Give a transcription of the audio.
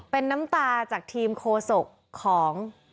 เป็นน้ำตาจากทีมโคศกของ